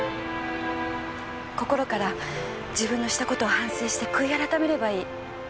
心から自分のしたことを反省して悔い改めればいい。